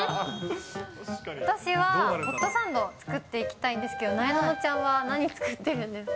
私はホットサンド作っていきたいんですけど、なえなのちゃんは、何作ってるんですか？